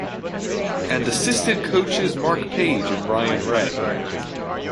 And assistant coaches Mark Page and Ryan Ray.